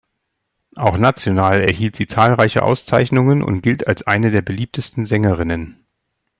Auch national erhielt sie zahlreiche Auszeichnungen und gilt als eine der beliebtesten Sängerinnen.